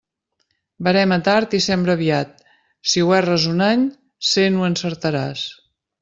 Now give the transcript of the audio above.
Verema tard i sembra aviat; si ho erres un any, cent ho encertaràs.